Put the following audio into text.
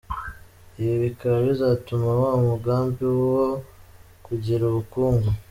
Ibi bikaba bizatuma wa mugambi wo kugira ubukungu